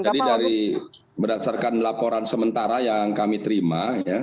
jadi dari berdasarkan laporan sementara yang kami terima